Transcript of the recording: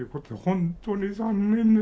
本当に残念で。